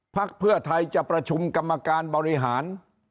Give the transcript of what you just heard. พักเพื่อไทยจะประชุมกรรมการบริหาร